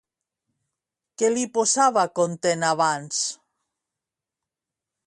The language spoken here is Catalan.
Què li posava content abans?